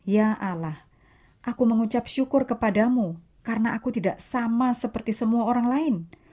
ya allah aku mengucap syukur kepadamu karena aku tidak sama seperti semua orang lain